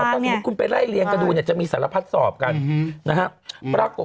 สารพัดสอบก็คือคุณไปไล่เรียงกระดูกเนี่ยจะมีสารพัดสอบกันนะครับ